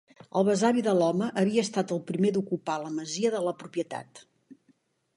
El besavi de l'home havia estat el primer d'ocupar la masia de la propietat.